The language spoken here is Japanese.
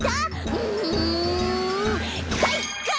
うんかいか！